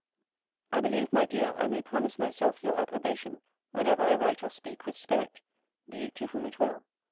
I believe, my dear, I may promise myself your approbation, whenever I write or speak with spirit, be it to whom it will.